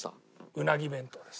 うなぎ弁当です。